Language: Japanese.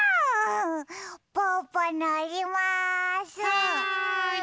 はい！